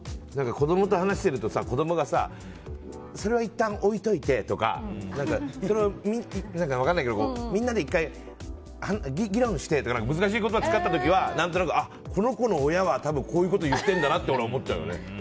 子供と話してると、子供がそれはいったん置いておいてとかみんなで１回、議論してとか難しい言葉を使った時はあ、の子の親は多分、こういうこと言っているんだなと思っちゃうよね。